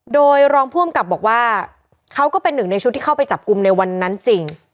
โดยรองผู้อำกับบอกว่าเขาก็เป็นหนึ่งในชุดที่เข้าไปจับกลุ่มในวันนั้นจริง